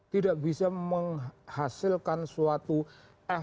tidak bisa menghasilkan suatu aspek